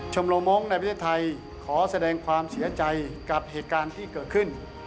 โมมงค์ในประเทศไทยขอแสดงความเสียใจกับเหตุการณ์ที่เกิดขึ้น